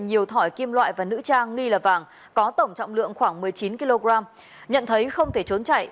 nhiều thỏi kim loại và nữ trang nghi là vàng có tổng trọng lượng khoảng một mươi chín kg nhận thấy không thể trốn chạy